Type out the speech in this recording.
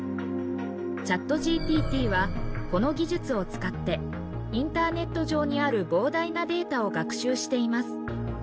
ＣｈａｔＧＰＴはこの技術を使ってインターネット上にある膨大なデータを学習しています。